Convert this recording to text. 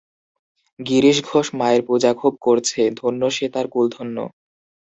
গিরিশ ঘোষ মায়ের পূজা খুব করছে, ধন্য সে, তার কুল ধন্য।